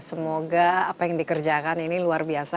semoga apa yang dikerjakan ini luar biasa